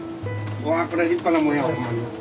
わあこれは立派なもんやわほんまに。